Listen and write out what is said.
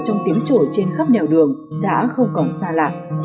trong tiếng trổi trên khắp nẻo đường đã không còn xa lạ